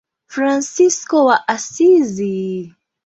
Fransisko wa Asizi.